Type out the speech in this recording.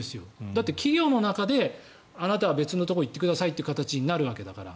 だって企業の中であなたは別のところに行ってくださいという形になるわけだから。